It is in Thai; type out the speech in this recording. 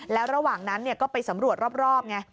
แล้วระหว่างนั้นก็ไปสำรวจรอบไง